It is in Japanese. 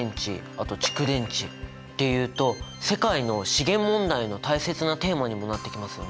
あと「蓄電池」っていうと世界の資源問題の大切なテーマにもなってきますよね。